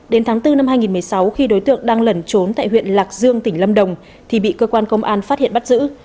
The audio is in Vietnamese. đến tháng bốn năm hai nghìn một mươi sáu khi đối tượng đang lẩn trốn tại huyện lạc dương tỉnh lâm đồng thì bị cơ quan công an phát hiện bắt giữ